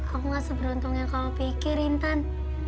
aku gak seberuntung yang kamu pikir intan